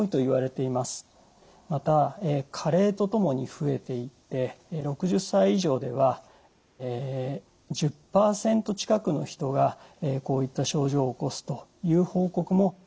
また加齢とともに増えていって６０歳以上では１０％近くの人がこういった症状を起こすという報告も国際的にはされています。